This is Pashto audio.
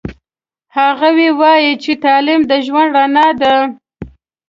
هغوی وایي چې تعلیم د ژوند رڼا ده